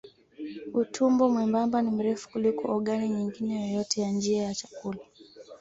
Utumbo mwembamba ni mrefu kuliko ogani nyingine yoyote ya njia ya chakula.